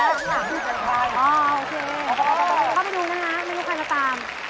เข้าไปดูกันนะครับไม่รู้ใครจะตาม